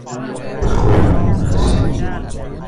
خوبم، مرسی.